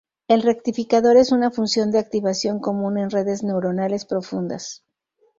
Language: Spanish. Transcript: El rectificador es una función de activación común en redes neuronales profundas.